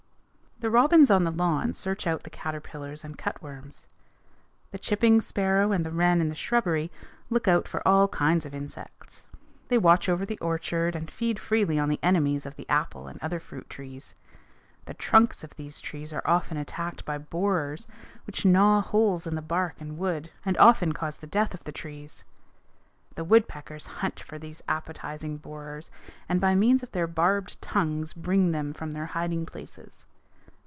The robins on the lawn search out the caterpillars and cutworms. The chipping sparrow and the wren in the shrubbery look out for all kinds of insects. They watch over the orchard and feed freely on the enemies of the apple and other fruit trees. The trunks of these trees are often attacked by borers, which gnaw holes in the bark and wood, and often cause the death of the trees. The woodpeckers hunt for these appetizing borers and by means of their barbed tongues bring them from their hiding places.